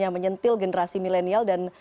menyentil generasi milenial dan